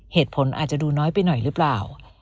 เหตุผลอาจจะดูน้อยไปหน่อยหรือเปล่า